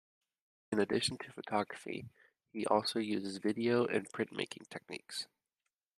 In addition to photography, he also uses video, and printmaking techniques.